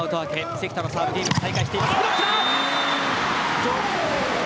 関田のサーブで再開しています。